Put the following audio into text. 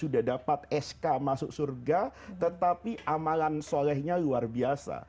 sudah dapat sk masuk surga tetapi amalan solehnya luar biasa